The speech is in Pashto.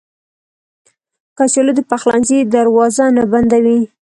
کچالو د پخلنځي دروازه نه بندوي